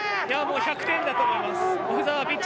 １００点だと思います。